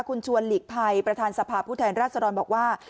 คุณชวนหลีกภัยประธานสภาพผู้แทนราชดรบอกว่า